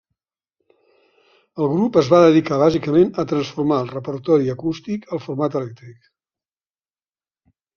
El grup es va dedicar bàsicament a transformar el repertori acústic al format elèctric.